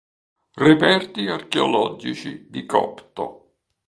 Reperti archeologici di Copto